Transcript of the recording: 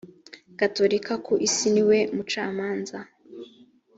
gatolika ku isi ni we mucamanza